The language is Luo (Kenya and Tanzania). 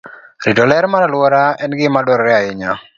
Rito ler mar alwora en gima dwarore ahinya.